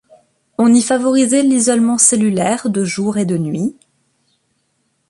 On y favorisait l'isolement cellulaire de jour et de nuit.